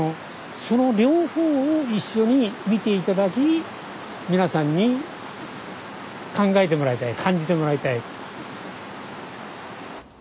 その両方を一緒に見て頂き皆さんに考えてもらいたい感じてもらいたい。